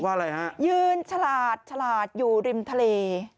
อะไรฮะยืนฉลาดฉลาดอยู่ริมทะเล